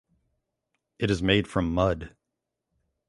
It is made from mud.